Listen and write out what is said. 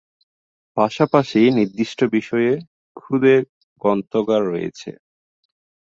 পাশাপাশি নির্দিষ্ট বিষয়ে ক্ষুদে গ্রন্থাগার রয়েছে।